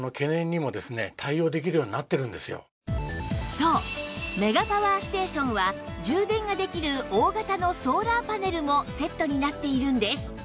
そうメガパワーステーションは充電ができる大型のソーラーパネルもセットになっているんです